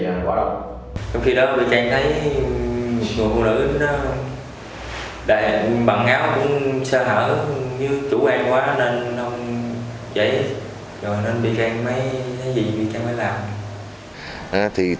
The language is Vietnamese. người phụ nữ bằng áo cũng sợ hỡi như chủ an quá nên dậy rồi nên vị thanh mới làm